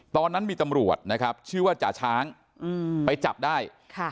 ตอนนั้นมีตำรวจนะครับชื่อว่าจ่าช้างไปจับได้